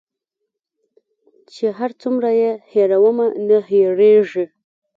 چي هر څو یې هېرومه نه هیریږي